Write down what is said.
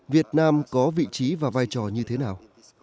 việt nam có vị trí và vai trò như thế nào